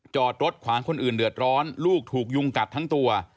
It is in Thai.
จอดรถขวางคนอื่นเดือดร้อนลูกถูกยุงกัดทั้งตัว